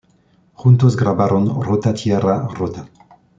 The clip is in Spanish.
Juntos grabaron "Rota tierra rota".